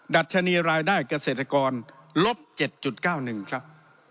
ดัชนีรายได้เกษตรกรลบ๗๙๑ครับ